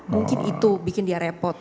mungkin itu bikin dia repot